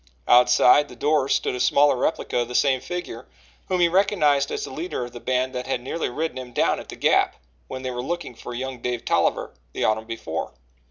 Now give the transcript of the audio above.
Outside the door stood a smaller replica of the same figure, whom he recognized as the leader of the band that had nearly ridden him down at the Gap when they were looking for young Dave Tolliver, the autumn before.